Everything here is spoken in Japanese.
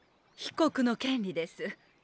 被告の権利です。